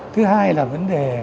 thứ hai là vấn đề